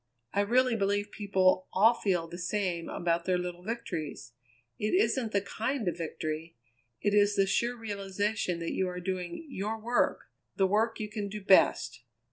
I really believe people all feel the same about their little victories. It isn't the kind of victory; it is the sure realization that you are doing your work the work you can do best.